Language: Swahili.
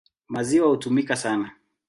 Maziwa hutumika sana.